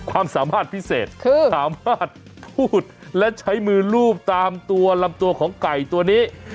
ความสามารถพิเศษคือสามารถพูดและใช้มือลูบตามตัวลำตัวของไก่ตัวนี้